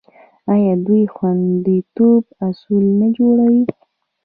آیا دوی د خوندیتوب اصول نه جوړوي؟